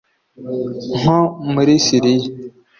nko muri Syria